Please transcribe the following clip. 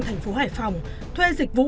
thành phố hải phòng thuê dịch vụ